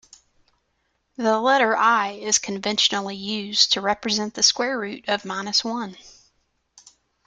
The letter i is conventionally used to represent the square root of minus one.